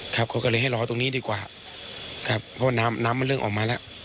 ครับเขาก็เลยให้รอตรงนี้ดีกว่าครับเพราะว่าน้ำน้ำมันเริ่มออกมาแล้ว